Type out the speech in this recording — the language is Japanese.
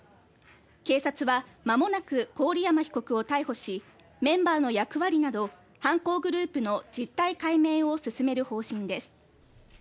警察は間もなく郡山被告を逮捕し、メンバーの役割など、犯行グループの実態解明を進める方針です。